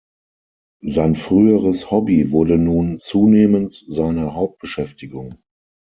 Sein früheres Hobby wurde nun zunehmend seine Hauptbeschäftigung.